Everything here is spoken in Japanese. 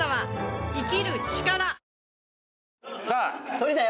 トリだよ。